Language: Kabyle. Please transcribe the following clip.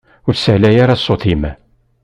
Ur ssiεlay ara ssut-im!